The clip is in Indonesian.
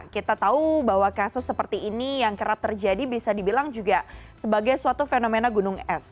kita tahu bahwa kasus seperti ini yang kerap terjadi bisa dibilang juga sebagai suatu fenomena gunung es